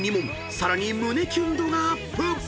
さらに胸キュン度がアップ！］